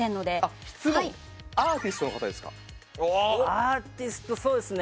アーティストそうですね。